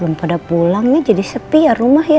belum pada pulangnya jadi sepi ya rumah ya